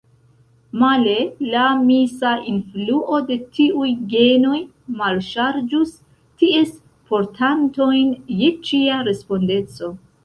Male: la misa influo de tiuj genoj malŝarĝus ties portantojn je ĉia respondeco!